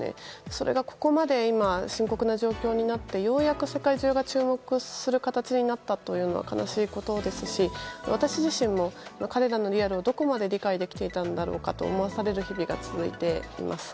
それが今ここまで深刻な状況になってようやく世界中が注目する形になったというのは悲しいことですし私自身も彼らのリアルをどこまで理解できていたんだろうと思わされる日々が続いています。